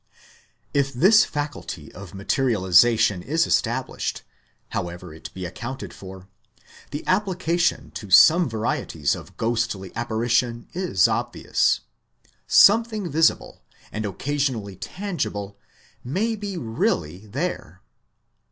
If this faculty of materialisation is established, however it be accounted for, the application to some varieties of ghostly apparition is obvious. Something visible, and occasionally tangi ble, may be really there.